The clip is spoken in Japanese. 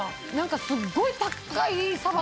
すっごい高いサバ